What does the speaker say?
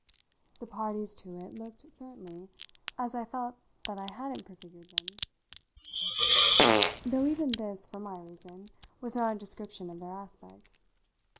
The parties to it looked, certainly, as I felt that I hadn't prefigured them; though even this, for my reason, was not a description of their aspect.